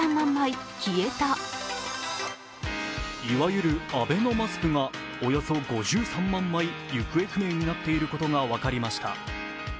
いわゆるアベノマスクがおよそ５３万枚、行方不明になっていることが分かりました。